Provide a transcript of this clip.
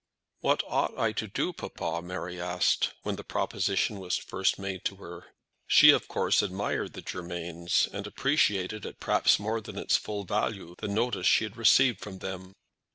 "What ought I to do, papa?" Mary asked, when the proposition was first made to her. She of course admired the Germains, and appreciated, at perhaps more than its full value the notice she had received from them.